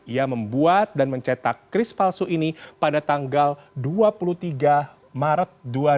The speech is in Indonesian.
ia membuat dan mencetak kris palsu ini pada tanggal dua puluh tiga maret dua ribu dua puluh